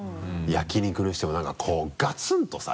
焼き肉にしてもなんかこうガツンとさ。